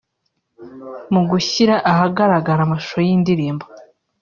Mu gushyira ahagaragara amashusho y’iyi ndirimbo